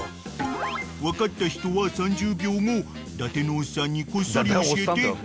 ［分かった人は３０秒後伊達のおっさんにこっそり教えて］